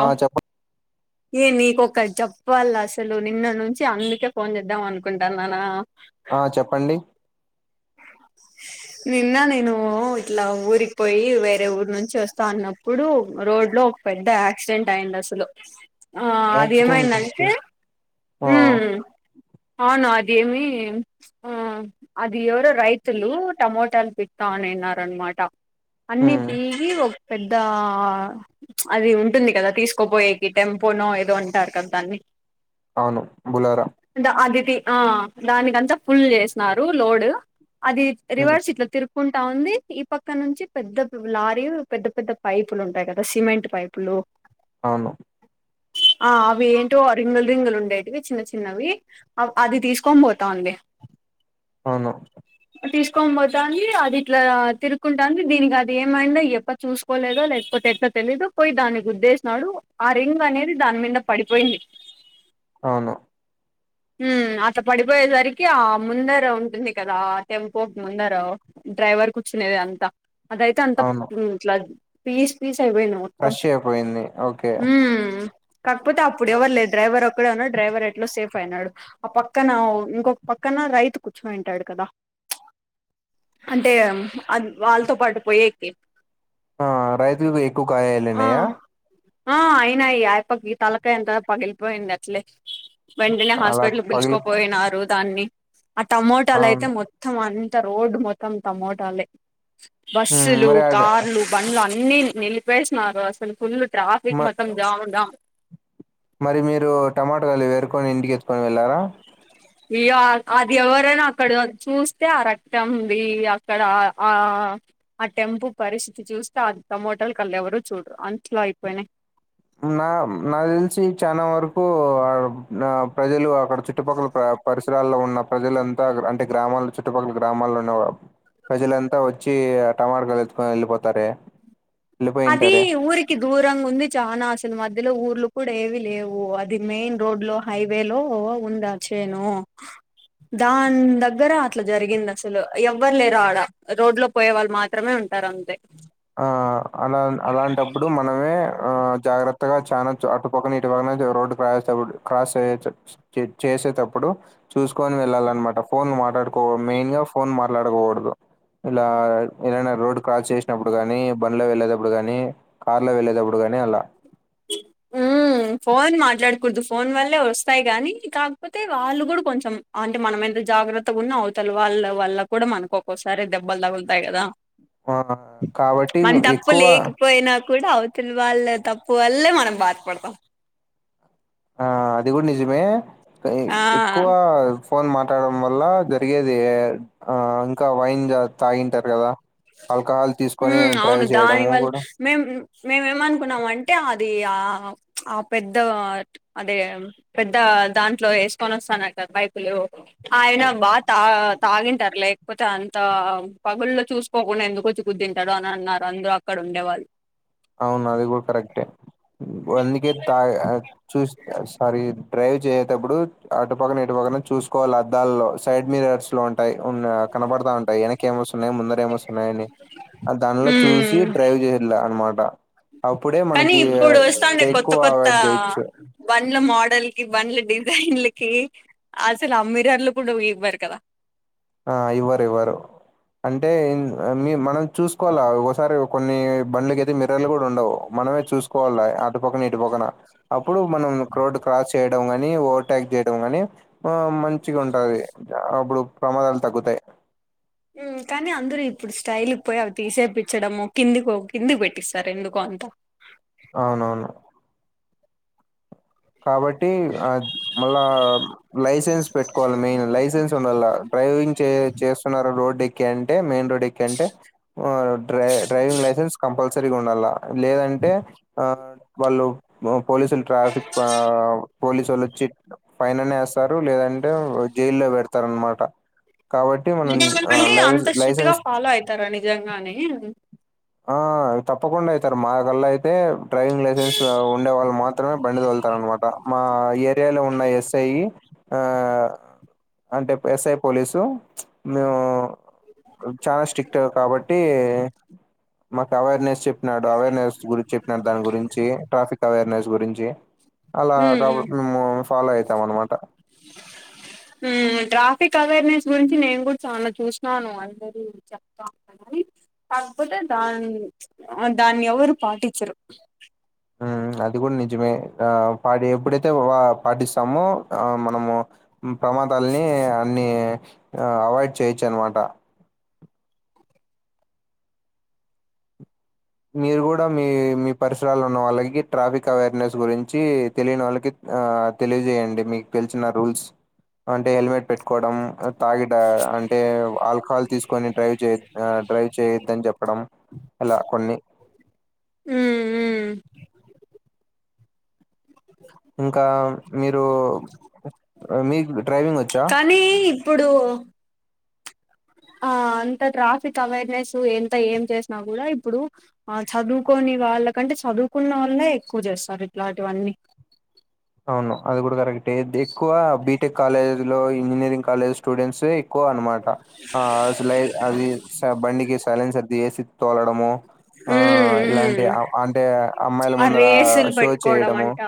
ఆ చెప్పండి ఏ నీకక చెప్పాలి అసలు నిన్న నుంచి అందుకే ఫోన్ చేద్దాం అనుకుంటాను అన్న ఆ చెప్పండి నిన్న నేను ఇట్లా ఊరికి పోయి వేరే ఊరు నుంచి వస్తా అన్నప్పుడు రోడ్ లో ఒక పెద్ద యాక్సిడెంట్ అయింది అసలు ఆ అది యాక్సిడెంట్ ఏమైంద ఓకే. అంటే ఆ ఊ అవును అది ఇదేమి ఆ అది ఇది ఎవరో రైతులు టమోటాలు పితా అనిన్నారు అనమాట అన్ని ఉమ్ పీగి ఒక పెద్ద అది ఉంటుంది కదా తీసుకోపోయేకి టెంపోనో ఏదో అంటారు కదా దాన్ని అవును బులోరా అదితి ఆ దానికంతా ఫుల్ చేసినన్నారు లోడ్ అది ఉమ్ రివర్స్ ఇట్లా తిప్పుతావుంది ఈ పక్క నుంచి పెద్ద లారీ పెద్ద పెద్ద పైపులు ఉంటాయి కదా సిమెంట్ పైపులు అవును ఆ అవి ఏంటో రింగులు రింగులు ఉండేటివి చిన్న చిన్నవి అది తీసుకొని పోతావుంది అవును తీసుకో పోతుంది అది ఇట్లా తిరుకుంటుంది దీనికి అది ఏమైందో ఎప్ప చూసుకోలేదో లేకపోతే తెలిదు పోయి దానికి గుద్దేశినాడు ఆ రింగ్ అనేది దాని మీద పడిపోయింది అవును ఉ అత పడిపోయేసరికి ఆ ముందర ఉంటుంది కదా టెంపోట్ ముందర డ్రైవర్ కూర్చునేది అంతా అదయితే అంత అవును ఇట్లా పీస్ పీస్ అయిపోయింది మొత్తం క్రష్ అయిపోయింది ఓకే ఉమ్ కాకపోతే అప్పుడు ఎవరు లేరూ డైవర్ ఒక్కడేఉన్నాడు డైవర్ ఎట్లో సేఫ్ న్నాడు ఆ పక్కన ఇంకొక పక్కన రైతు కూర్చంటాడు కదా అంటే వాళ్ళతో పాటు పోయేకి ఆ రైతులు ఎక్కువ ఆ కాయాలన్నాయా ఆ అయినాయి అయ్యప్పకి ఆ తలకాయ అంత పగిలిపోయింది అట్లే వెంటనే అలా హాస్పిటల్కి పగిలి పిలుచుకోపోయినారు దాన్ని ఆ టమోటాలు అయితే అవును మొత్తం అ త రోడ్డు మొత్తం తమోటాలే ఉమ్ బస్సులు మరి అడ కార్లు బండ్లు అన్ని అన్ని నిలిపేసిన్నరు అసలు ఫుల్ మ ట్రాఫిక్ మొత్తం జాము జామ్ మరి మీరు టమాటోకాలు ఎరుకొని ఇంటికీచ్చుకొని వెళ్ళారా ఇగ అది ఎవరైనా అక్కడ చూస్తే ఆ రక్తంది అక్కడ ఆ ఆ టెంపో పరిస్థితి చూస్తే అది టమోటల్ కళ్ ఎవరు చూడరు అంతలా అయిపోయినాయి నా నాకు తెలిసి చాలా వరకు ప్రజలు అక్కడ చుట్టుపక్కల ప్ర పరిసరాల్లో ఉన్న ప్రజలంతా అంటే గ్రామాల్లో చుట్టుపక్కల గ్రామాల్లో ఉన్న ప్రజలంతా వచ్చి టమాటా ఎత్క వెళ్ళిపోతారే అది వెళ్ళిపోయింటారే ఊరికి దూరంగా ఉంది చానా అస అసలు మధ్యలో ఊర్లు కూడా ఏవి లేవు అది మెయిన్ రోడ్ లో హైవే లో ఉందా చేను దాని దగ్గర అట్లా జరిగింది అసలు ఎవ్వరు లేరు ఆడ రోడ్ లో పోయే వాళ్ళు మాత్రమే ఉంట ఉంటారంతే ఆ అలా అలాంటప్పుడు మనమే ఆ జాగ్రత్తగా చానా అటు పక్కన ఇటు పక్కన రోడ్డు క్రాస్ రోడ్డు క్రాస్ చేయొచ్చు చేయొ వచ్చేటప్పుడు చూసుకొని వెళ్ళాలన్నమాట ఫోన్ మాట్లాడుకోదు మెయిన్ గా ఫోన్ మాట్లాడకూడదు ఇలా ఏదైన రోడ్ క్రాస్ చేసి ప్పుడు కాని బండ్లో వెళ్ళేటప్పుడు కానీ కార్ లో వెళ్ళేటప్పుడు కాని అలా ఫోన్ మాట్లాడకూడదు ఫోన్ వల్లే వస్తాయి గానీ కాకపోతే వాళ్ళు కూడా కొంచెం అంటే మనం ఎంత జాగ్రత్తగా ఉన్నా అవతల వాళ్ళ వల్ల కూడా మనకు ఒక్కోసారి దెబ్బలు తగులుతాయి కదా ఆ కాబట్టి మన తప్పు ఎక్కువ లేకపోయినా కూడా అవతల వాళ్ళ తప్పు వల్లే మనం బాధపడతాం ఆ అది కూడా నిజమే ఎక్కువ ఆ ఫోన్ మాట్లాడడం వల్ల జరిగేది ఆ ఇంకా వైన్ తాగింటారు కదా ఆల్కహాల్ ఉ తీసుకొని డ్రైవ్ అవును చేయడము దానివల్ల కూడా మేం మేమేమనుకున్నాం అంటే అ అది ఆ ఆ పెద్ద అదే పెద్ద దాంట్లో వేసుకొని వస్తాన పైపులు ఆయన బాగా తా తాగింటారు లేకపోతే అంత పగుల్లో చూసు పోకుండా ఎందుకు వచ్చి కుద్దింటాడు అని అన్నారు అందరూ అక్కడ ఉండేవాళ్ళు అవును అది కూడా కరెక్టే వందక తా చూ సారీ డ్రైవ్ చేయేటప్పుడు అటు పక్కన ఇటు పక్కన చూసుకోవాలి అద్దాల్లో సైడ్ మిరర్స్ లోంచి టాయి కనపడతా ఉంటాయి వెనక ఏమ్ వస్తున్నాయి ముందర ఏమొస్తున్నాయని ఆ దానిలో చూసి హ్మ్ డ్రైవ్ చేసలా అనమాట అప్పుడే కానీ మనకి ఇప్పుడు వస్తాండే కొత్త ఎక్కువ కొత్త అవాయిడ్ చేయొచ్చు వన్లు మోడ మోడల్ కి బండ్ల డిజైన్లకి అసలు ఆ మిర్రర్ లు కూడా ఇవ్వారు కదా ఆ ఇవ్వరివ్వరు అంటే మనం చూసుకోవాలా ఒకసారి కొన్ని బండ్లకయితే మిర్రర్ లు కూడా ఉండవు మనమే చూసుకోవాలి అటు పక్కన ఇటు పక్కన అప్పుడు మనం రోడ్ క్రాస్ చేయడం కాని ఓవర్టేక్ చేయ నీ ఆ మంచిగా ఉంటుది అప్పుడు ప్రమాదాలు తగ్గుతాయి కానీ అందరు ఇప్పుడు స్టైల్ పోయి అవి తీసేయిపిచ్చడము కిందికో కిందికి పెట్టిస్తారు ఎందుకో అంతా అవునవును కాబట్టి ఆద్ మళ్ళా లైసెన్స్ పెట్టుకోవాల్ మెయిన్ లైసెన్స్ ఉండాలా డ్రైవింగ్ చే చేస్తున్నారా రోడ్ ఎక్ కే అంటే మెయిన్ రోడ్ ఎక్ అంటే వా డ్రా డ్రైవింగ్ లైసెన్స్ కంపల్సరీగా ఉండాలా. లేదంటే ఆ వాళ్ళు ఓ పోలీసులు ట్రాఫిక్ పావ్ పోలీసోల్ వచ్చి ఫైననే ఏస్తారు లేదంటే జైల్లో వేడతారు అనమాట కాబట్టి మనం అంటే లై అంత స్ట్రిక్ట్ గా లైసెన్స్ ఫాలో అయితారా నిజగానే ఆ తప్పకుండా అయితార్ మాగలా అయితే డ్రైవింగ్ లైసెన్స్ ఉండే వాళ్ళ మాత్రమే బండి తొల్తారు అనమాట మా ఏరియాలో నాయ్ ఎస్ఐయి ఆ అంటేప్ ఎస్ఐ పోలీసు మేవో చానా స్ట్రిక్ట్ కాబట్టి మాకు అవేర్నెస్ చెప్ నాడు అవేర్నెస్ గురించి చెప్పినాడు దాని గురించి ట్రాఫిక్ అవేర్నెస్ గురించి అలా ఉమ్ కావుట్ ముము ఫాలో అయితాం అన్నమాట ఉహ్ ట్రాఫిక్ అవేర్నెస్ గురించి నేను కూడా చానా చూచనాను అందరి చెప్తా అని కాకపోతే దాన్ దాన్ని ఎవరు పాటించరు. ఉహ్ అది కూడా నిజమే. ఆ పాడి ఎప్పుడైతే పాటిస్తామో ఆ మనము హు ప్రమాదాలని అన్ని అవైడ్ చేయొచ్చు అనమాట మీరు కూడా మీ మీ పరిసరాలు ఉన్న వాళ్ళకి ట్రాఫిక్ అవేర్నెస్ గురించి తెలియని వాళ్ళకి ఆ తెలియజేయండి. మీకు పిలిచిన రూల్స్ అంటే హెల్మెట్ పెట్టుకోవడం తాగిడా అంటే ఆల్కహాల్ తీసుకొని డ్రైవ్ జేయ్ ఆ డ్రైవ్ చేయొద్దని జేప్పడం ఇలా కొన్ని ఉహూహ్ ఇంకా మీరు మీక్ డ్రైవింగ్ వచ్చా ప్పుడో ఆ అంత ట్రాఫిక్ అవేర్నెస్ ఎంత ఏం చేశినా కూడా ఇప్పుడు ఆ చదువుకొని వాళ్ళకంటే చదువుకున్న ఓలానే ఎక్కువ జేస్తారు ఇట్లాంటివన్నీ నో అది గూడా కరెక్ట్ దేక్కువ బీటెక్ కాలేజ్ లో ఇంజనీరింగ్ కాలేజ్ స్టూడెంట్సే కో అనమాట ఆ అసలై అది స బండికి సైలెన్స్ అది దియేసి. తోలడము ఆ లాంటే ఉమ్ ఆ అంటే అమ్మాయిల ఆ ముందర రేసులు షో పెట్టుకోవడం చేయడము. అంట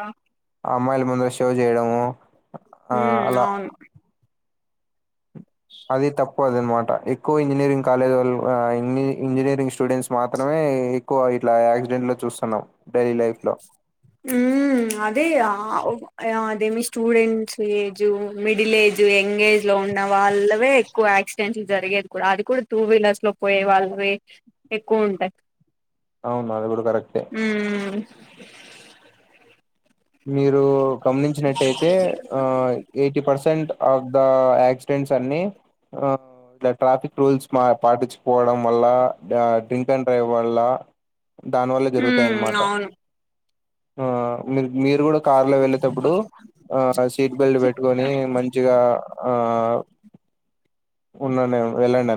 అమ్మాయిల ముందల షో జేయడము. ఉహ్మ్ అవును అది తప్ పోదేన్ మాట ఎక్కువ ఇంజనీరింగ్ కాలేజ్ లలో ఇంజనీరింగ్ స్టూడెంట్స్ మాత్రమే ఎక్కువ ఇట్లా యాక్సిడెంట్ లో చూసున్నాం డైలీ లైఫ్ లో ఉహ్మ్ ఉహ్ అదే ఆ ఓ ఆ అదేమి students age middle age young age లో తోడా వాళ్ళవే ఎక్కువ యాక్సిడెంట్లు జరిగేది కూడా అది కూడా టూ వీలర్స్ లో పోయే వాళ్ళవే ఎక్కువుటై అవునా అది కూడా కరెక్టే ఉమ్ మీరు గమనించినటైతే ఆ ఎయిటీ పర్సెంట్ అద్ దా యాక్సిడెంట్స్ అన్ని ఆ ట్లే ట్రాఫిక్ రూల్స్ స్మా పాటించుపోడం వల్ల డ్రింక్ అండ్ డ్రైవ్ వల్ల దాని వల్ల జరుగుతాయి ఉమ్ అన్నమాట. అవును ఆ మీర్ మీరు కూడా కార్ లో వెళ్ళేతప్పుడు ఆ సీట్ బెల్ట్ పెట్టుకొని మంచిగా ఆ ఉన్నాను. వెళ్లాన?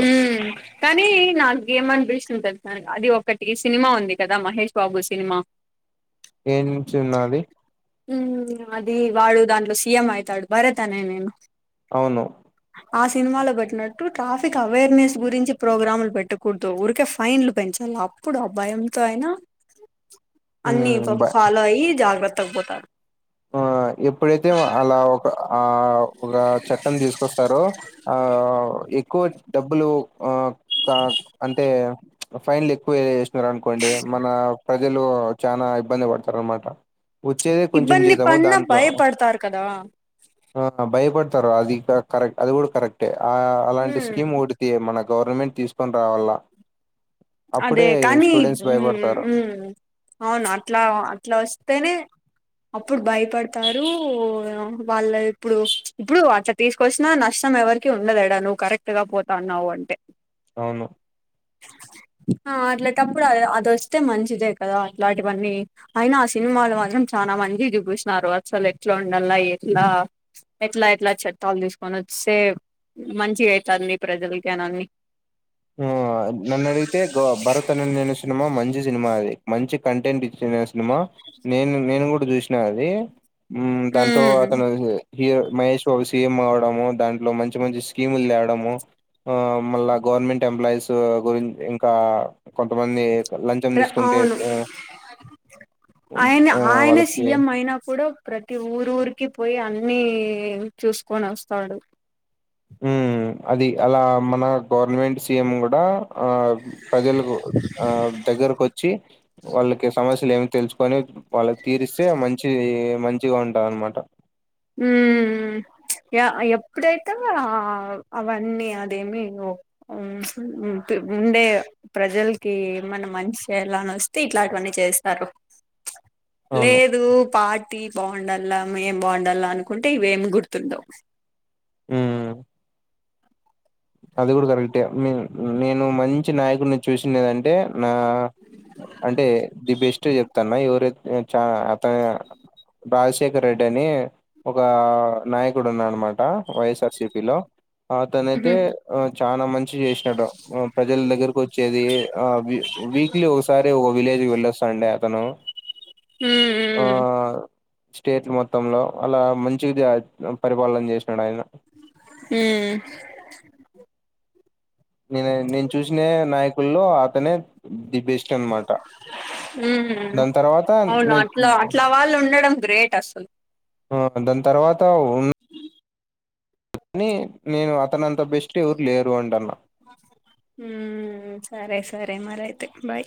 మ్ కానీ నా ఏమనిపిస్తుంది తెలుసా, అది ఒకటి సినిమా ఉంది కదా, మహేష్ బాబు సినిమా? ఏం చిన్నది మ్. అది వాడు దాంట్లో సీఎం అయితాడు. భరత్ అనే నేను అవును ఆ సినిమాలో బెట్టినట్ ట్టు ట్రాఫిక్ అవేర్నెస్ గురించి ప్రోగ్రాములు పెట్టకూడదు. ఊరికే ఫైన్లు పెంచల్ల. అప్పుడు ఆ భయం తో అయినా అన్ని ఉమ్, బ ఫాలో అయి, జాగ్రత్తగ పోతారు. ఆ ఎప్పుడైతే అలా ఒక ఆ ఒక చట్టం తీసుకొస్తారు. ఆ ఎ ఎక్కువ డబ్బులు ఆ క అంటే, ఫైన్లు ఎక్కువ ఏ సినార్ అనుకోండి మన ప్రజలు చాన ఇబ్బంది పడతారనమాట వచ్చేదే కొంచెం ఇబ్బంది జీతము. పడినా దాని భయపడతారు కదా! ఆ భయపడతారు. అది కా కరెక్ట్ అది కూడా కరెక్టే. ఆ అలాంటి ఉమ్ స్కీమ్ ఒడితే మనక్ గవర్నమెంట్ తీసుకొని రావల్ల. అదే కానీ, మ్ మ్ అవును అట్లా, అట్ల వస్తేనే, అప్పుడు భయపడతారు. వాళ్ళ ఇప్పుడు, ఇప్పుడు అట్ల తీసుకొచ్చినా నష్టం ఎవర్ ఎవరికి ఉండద్ యాడ, నువ్వు కరెక్ట్ గా పోతాన్నావు అంటే. అవును ఆ అట్లాటప్పుడు, అ అదొస్తే మంచిదే కదా, అట్లాంటివన్నీ అయినా ఆ సినిమాలు మాత్రం చ చాన మంచిగ చూపిచ్చినారు. అసలు ఎట్ల ఉండల్ల, ఎట్లా ఎట్లా ఎట్ల చట్టాలు తీసుకొని వస్తే మంచిగా అయితాది మీ ప్రజలకి అనన్ని. ఆ నన్నడిగితే గొ భరత్ అనే నేను సినిమా మంచి సినిమా. అది మంచి కంటెంట్ ఇచ్చిన సినిమా. నేను నేను కూడ చూసినా అది. మ్ దాట్లో ఉమ్ అతను హీరో మహేష్ బాబు సీఎం అవడము, దాంట్లో మంచి మంచి స్కీములు త్యావడము. ఆ మళ్ళా గవర్నమెంట్ ఎంప్లాయిస్ గురిన్, ఇంకా కొంతమంది లంచం తీసుకుంటే అవును. ఆ అయినా, ఆయన వాళ్ళకి సీఎం అయినా కూడా ప్రతి ఊరూరికి పొయ్యి అన్ని చూసుకొనొస్తాడు. మ్ అది అలా మన గవర్నమెంట్ సీఎం కూడా, ఆ ప్రజలకు ఆ దగ్గరకు వచ్చి, వాళ్ళకి సమస్యలు ఏమి తెలుసుకొని వాళ్ళకి తీరిస్తే మంచి మంచిగా ఉంటంది అనమాట. మ్మ్ య ఎప్పుడైతే, ఆ అవన్నీ అదేమి ఒ ఉం ముండే ప్రజలకి ఏమన్న మంచి చెయ్యల్ల అని వస్తే ఇట్లాంటివన్నీ చేస్తారు. అవును. లేదు పార్టీ బాగుండల్ల, మేం బాన్ డల్లా అనుకుంటే, ఇవేం గుర్తుండవ్. మ్ అది కూడా కరెక్టే. మీ నేను మంచి నాయకుడిని చూసిండేదంటే, నా అంటే ది బెస్ట్ చెప్తాన్న. ఎవరెక్ చ అతన రాజశేఖర్ రెడ్డి అని, ఒక నాయకుడు ఉన్నాడనమాట. వైఎస్ఆర్ సిపి లో. అయితే ఉహు ఆ చాన మంచి చేసినాడు. ప్రజల దగ్గరకు వచ్చేది ఆ ఆ వీక్లీ వొ ఒకసారి ఒ విలేజ్కి వెళ్ళొస్తాండ అతను. ఆ మ్ మ్ స్టేట్ మొత్తంలో, అలా మంచిగ ద పరిపాలన చేసినాడు ఆయన. మ్ నే నేను చూసిన నాయకుల్లో, అతనే ది బెస్ట్ అనమాట. ఉమ్ దాని తర్వాత అవును నేను అట్ల చూ- అట్లా వాళ్ళు ఉండడం గ్రేట్ అసలు ఆ దాన్ తర్వాత నీ నేను అతనంతా బెస్ట్టి ఎవరు లేరు అంటన్నా ఉమ్ సరే సరే మరయితే బాయ్